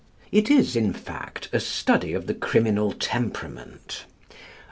It is, in fact, a study of the criminal temperament.